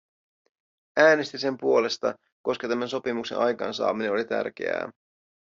Äänestin sen puolesta, koska tämän sopimuksen aikaansaaminen oli tärkeää.